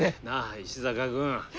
なあ石坂君。